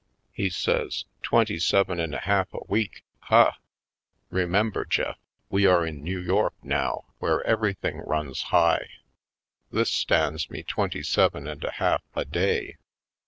He says; "Twenty seven and a half a week — huh! Remember, Jefif, we are in New York now where everything runs high. This stands me twenty seven and a half a day."